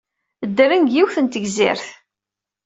Ddren deg yiwet n tegzirt.